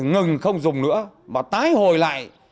ngừng không dùng nữa mà tái hồi lại